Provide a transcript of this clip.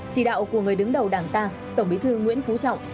chỉ đạo của người đứng đầu đảng ta tổng bí thư nguyễn phú trọng